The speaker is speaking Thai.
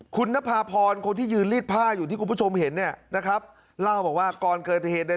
คุณนภาพรคนที่ยืนรีดผ้าอยู่ที่คุณผู้ชมเห็นเนี่ยนะครับเล่าบอกว่าก่อนเกิดเหตุเนี่ย